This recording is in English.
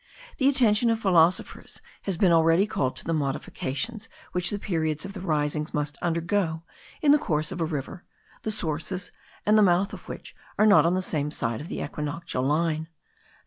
the attention of philosophers has been already called to the modifications which the periods of the risings must undergo in the course of a river, the sources and the mouth of which are not on the same side of the equinoctial line.